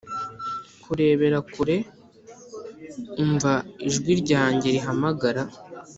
kurebera kure umva ijwi ryanjye rihamagara